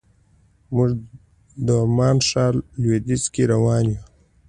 موږ د عمان ښار لویدیځ کې روان یو.